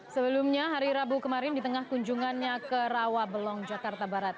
sebelumnya hari rabu kemarin di tengah kunjungannya ke rawabelong jakarta barat